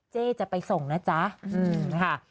เจ๊จะไปส่งนะจ๊ะค่ะ